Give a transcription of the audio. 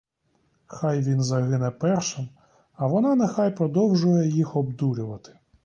Хай він загине першим, а вона нехай продовжує їх обдурювати.